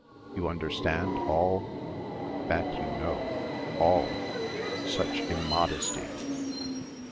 You understand, all! That you know. All! Such immodesty!"